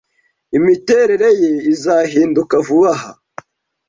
Imiterere ye izahinduka vuba aha.